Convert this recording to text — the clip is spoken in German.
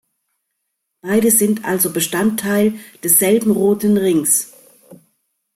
Beide sind also Bestandteil desselben roten Rings.